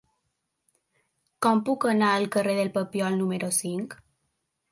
Com puc anar al carrer del Papiol número cinc?